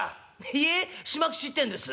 「いえ島吉ってんです」。